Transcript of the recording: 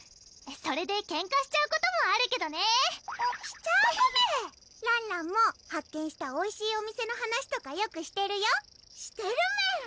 それでけんかしちゃうこともあるけどねしちゃうコメらんらんも発見したおいしいお店の話とかよくしてるよしてるメン